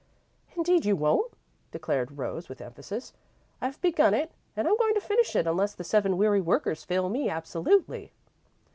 "Indeed you won't," declared Rose, with emphasis. "I've begun it and I'm going to finish it unless the Seven Weary Workers fail me absolutely."